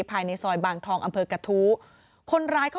ภายในซอยบางทองอำเภอกระทู้คนร้ายก็